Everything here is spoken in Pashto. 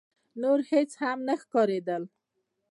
نور هيڅ هم نه ښکارېدل.